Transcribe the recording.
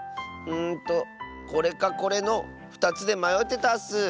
うんとこれかこれの２つでまよってたッス。